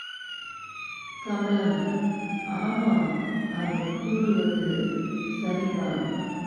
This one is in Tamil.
கமலம் ஆமாம் அவர் கூறுவது சரிதான்.